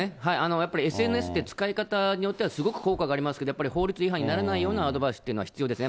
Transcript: やっぱりＳＮＳって、使い方によってはすごく効果がありますけど、やっぱり、法律違反にならないようなアドバイスというのは必要ですね。